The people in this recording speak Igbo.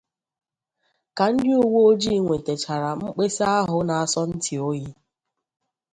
Ka ndị uweojii nwetachara mkpesa ahụ na-asọ ntị oyi